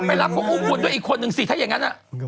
กลับไปรับโปรบุญด้วยอีกคนหนึ่งสิถ้ายังงั้น